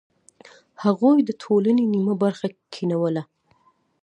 هغوی د ټولنې نیمه برخه کینوله.